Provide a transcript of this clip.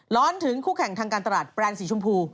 ถึงคู่แข่งทางการตลาดแบรนด์สีชมพู